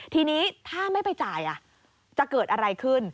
ทีนี้ถ้าไม่ไปจ่ายจะเกิดอะไรขึ้น